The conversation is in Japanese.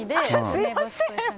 すみません。